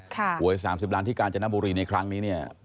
หวย๓๐ล้านที่กาญจนบุรีในครั้งนี้เนี่ย